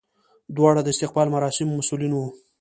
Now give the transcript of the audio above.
دواړه د استقبال مراسمو مسولین وو.